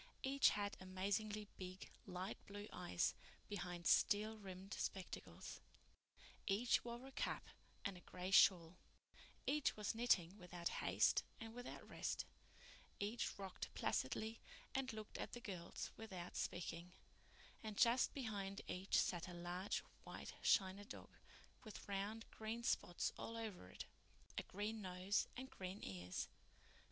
Each had amazingly big, light blue eyes behind steel rimmed spectacles; each wore a cap and a gray shawl; each was knitting without haste and without rest; each rocked placidly and looked at the girls without speaking; and just behind each sat a large white china dog, with round green spots all over it, a green nose and green ears.